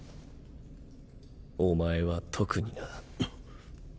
お前は特にな。